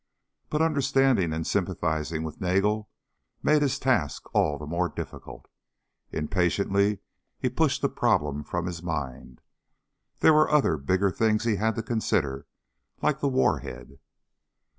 But understanding and sympathizing with Nagel made his task all the more difficult. Impatiently he pushed the problem from his mind. There were other, bigger things he had to consider. Like the warhead.